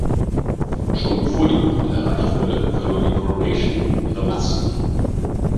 Schon bevor die Bucht erreicht wurde, verlor die "Coronation" ihre Masten.